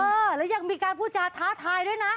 เออแล้วยังมีการพูดจาท้าทายด้วยนะ